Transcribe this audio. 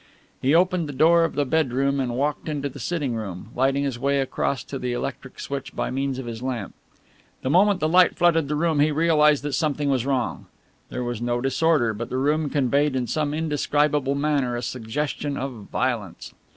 He opened the door of the bedroom and walked into the sitting room, lighting his way across to the electric switch by means of his lamp. The moment the light flooded the room he realized that something was wrong. There was no disorder, but the room conveyed in some indescribable manner a suggestion of violence.